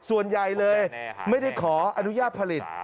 ส่วนใหญ่เลยไม่ได้ขออนุญาตผลิต